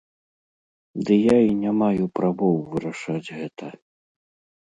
Ды я і не маю правоў вырашаць гэта.